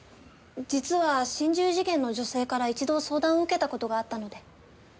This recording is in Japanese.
実は心中事件の女性から一度相談を受けた事があったので。